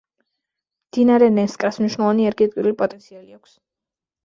მდინარე ნენსკრას მნიშვნელოვანი ენერგეტიკული პოტენციალი აქვს.